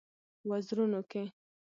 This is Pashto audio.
وزرونو کې